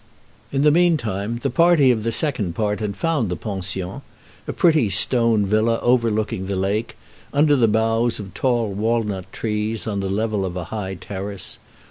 In the mean time the party of the second part had found the pension a pretty stone villa overlooking the lake, under the boughs of tall walnut trees, on the level of a high terrace.